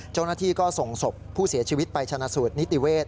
เจ้าหน้าที่ก็ส่งศพผู้เสียชีวิตไปชนะสูตรนิติเวศ